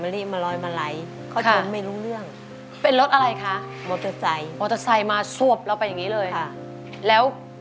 แล้วสรบไหมคะ